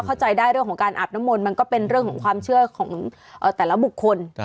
เข้าใจได้เรื่องของการอาบน้ำมนต์มันก็เป็นเรื่องของความเชื่อของแต่ละบุคคล